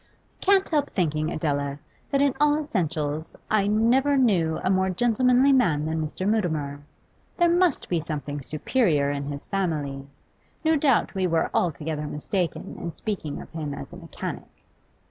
'I can't help thinking, Adela, that in all essentials I never knew a more gentlemanly man than Mr. Mutimer. There must be something superior in his family; no doubt we were altogether mistaken in speaking of him as a mechanic.